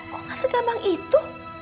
kok gak segampang itu